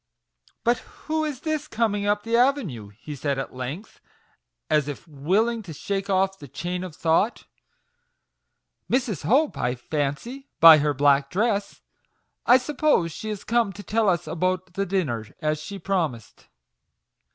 "But who is this coming up the avenue?" he said at length, as if willing to shake off the chain of thought. " Mrs. Hope, MAGIC WORDS. 35 I fancy, by her black dress. I suppose she is come to tell us all about the dinner, as she promised."